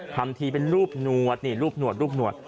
ทำทีเป็นรูปหนวดนี่รูปหนวดรูปหนวด